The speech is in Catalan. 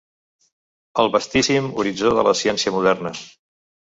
El vastíssim horitzó de la ciència moderna.